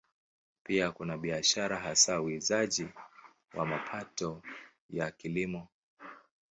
Pia kuna biashara, hasa uuzaji wa mapato ya Kilimo.